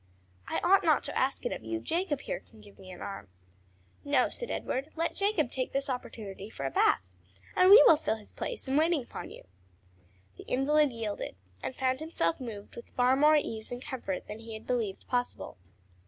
"I ought not to ask it of you: Jacob here can give me an arm." "No," said Edward, "let Jacob take this opportunity for a bath, and we will fill his place in waiting upon you." The invalid yielded, and found himself moved with far more ease and comfort than he had believed possible.